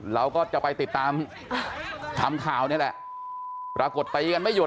เราก็จะไปติดตามทำข่าวนี่แหละปรากฏตีกันไม่หยุ